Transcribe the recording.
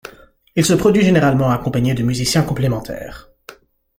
Il se produit généralement accompagné de musiciens complémentaires.